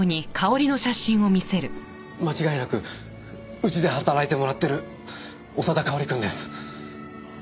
間違いなくうちで働いてもらってる長田かおりくんです。